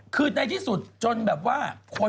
คือในที่สุดจนแบบว่าคน